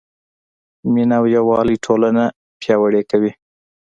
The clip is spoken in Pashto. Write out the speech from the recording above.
مینه او یووالی ټولنه پیاوړې کوي.